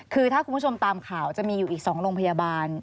คือถ้าคุณผู้ชมตามข่าวจะมีอยู่อีก๒โรงพยาบาล